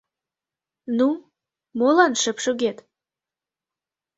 Ну, молан шып шогет?